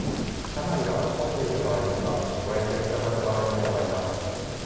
車内が混んでいる場合には、ご遠慮いただく場合もございます。